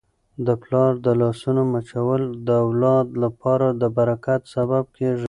د پلار د لاسونو مچول د اولاد لپاره د برکت سبب کیږي.